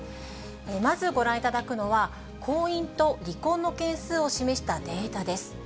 まずご覧いただくのは、婚姻と離婚の件数を示したデータです。